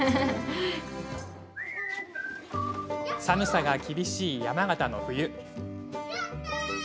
寒さが厳しい山形の冬。